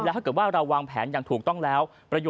ถ้าเกิดว่าเราวางแผนอย่างถูกต้องแล้ว